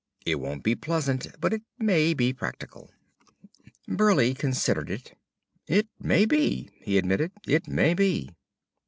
It won't be pleasant, but it may be practical." Burleigh considered it. "It may be," he admitted. "It may be."